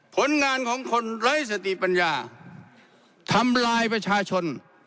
ผลงานของคนไร้สติปัญญาทำลายประชาชน